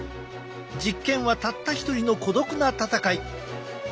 実験はたった一人の孤独な戦い。